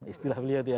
istilah beliau itu ya